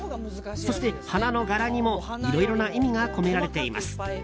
そして、花の柄にもいろいろな意味が込められています。